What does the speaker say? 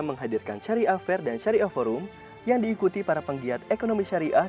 menghadirkan syariah fair dan syariah forum yang diikuti para penggiat ekonomi syariah